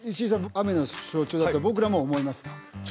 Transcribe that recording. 雨の象徴だと僕らも思いますか？